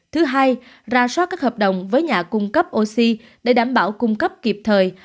thứ hai ra soát các hợp đồng với nhà cung cấp oxy để đảm bảo cung cấp kịp thời